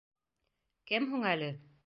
Кем һуң әле?